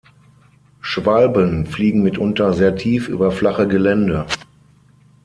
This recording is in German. Schwalben fliegen mitunter sehr tief über flache Gelände.